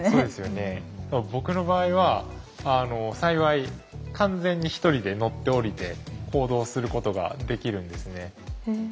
でも僕の場合は幸い完全に１人で乗って降りて行動することができるんですね。